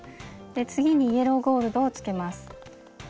次にイエローゴールドをつけます。